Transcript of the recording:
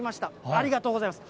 ありがとうございます。